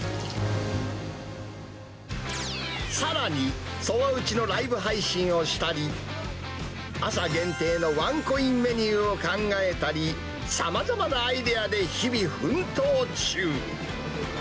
さらに、そば打ちのライブ配信をしたり、朝限定のワンコインメニューを考えたり、さまざまなアイデアで日々、奮闘中。